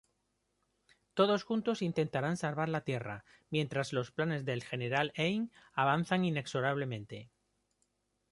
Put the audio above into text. Todos juntos intentarán salvar la Tierra, mientras los planes del General Hein avanzan inexorablemente.